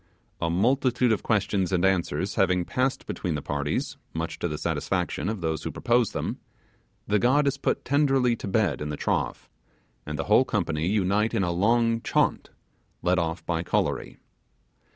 A multitude of questions and answers having passed between the parties, much to the satisfaction of those who propose them, the god is put tenderly to bed in the trough, and the whole company unite in a long chant, led off by Kolory.